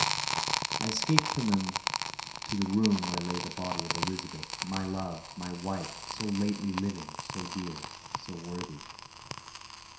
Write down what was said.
I escaped from them to the room where lay the body of Elizabeth, my love, my wife, so lately living, so dear, so worthy.